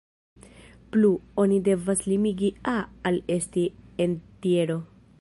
Plu, oni devas limigi "a" al esti entjero.